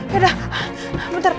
yaudah bentar pak